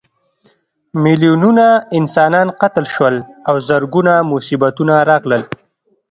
میلیونونه انسانان قتل شول او زرګونه مصیبتونه راغلل.